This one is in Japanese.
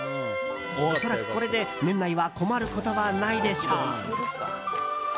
恐らくこれで年内は困ることはないでしょう。